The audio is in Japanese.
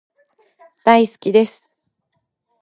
大好きです